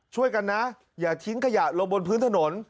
ช่วยกันนะอย่าทิ้งขยะลงบนพื้นถนน